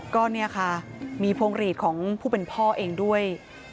ก็เนี่ยค่ะมีพวงหลีดของผู้เป็นพ่อเองด้วย